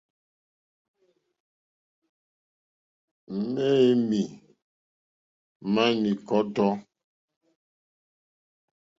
Mɛ̄ mì màá ní kɔ́tɔ́.